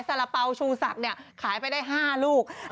สารเปราชูศักดิ์ขายไปได้๕ลูก